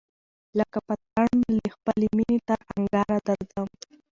لکه پتڼ له خپلی مېني تر انگاره درځم